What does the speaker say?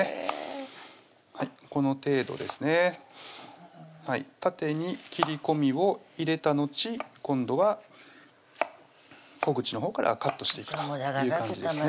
この程度ですね縦に切り込みを入れたのち今度は小口のほうからカットしていくという感じですね